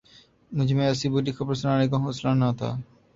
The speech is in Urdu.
مجھ میں اسے بری خبر سنانے کا حوصلہ نہ تھا